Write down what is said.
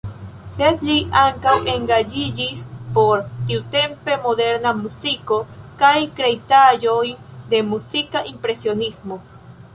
Sed li ankaŭ engaĝiĝis por tiutempe moderna muziko kaj kreitaĵoj de muzika impresionismo.